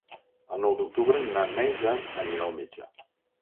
El nou d'octubre na Neida anirà al metge.